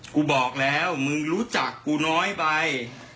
กูบอกแล้วมึงรู้จักกูน้อยไป